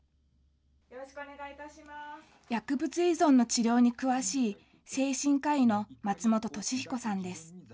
薬物依存の治療に詳しい精神科医の松本俊彦さんです。